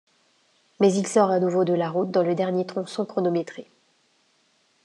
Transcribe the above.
Mais il sort à nouveau de la route dans le dernier tronçon chronométré.